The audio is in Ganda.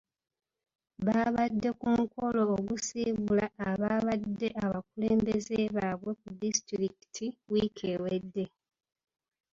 Baabadde ku mukolo ogusiibula ababadde abakulembeze baabwe ku disitulikiti wiiki ewedde